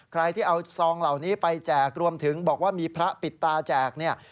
ใครที่เอาซองเหล่านี้ไปแจกรวมถึงบอกว่ามีพระปิดตาแจกเนี่ย